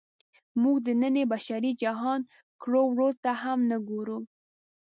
موږ د ننني بشري جهان کړو وړو ته هم نه ګورو.